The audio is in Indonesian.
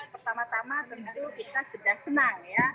pertama tama tentu kita sudah senang ya